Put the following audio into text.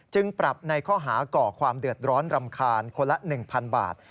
ปรับในข้อหาก่อความเดือดร้อนรำคาญคนละ๑๐๐๐บาท